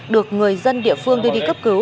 được người dân địa phương đi đi cấp cứu